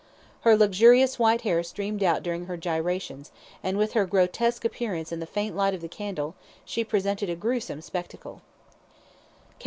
Her luxurious white hair streamed out during her gyrations, and with her grotesque appearance and the faint light of the candle, she presented a gruesome spectacle.